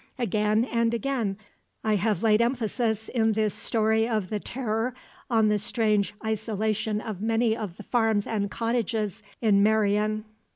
Again and again I have laid emphasis in this story of the terror on the strange isolation of many of the farms and cottages in Meirion.